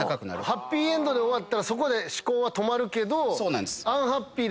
ハッピーエンドで終わったらそこで思考は止まるけど。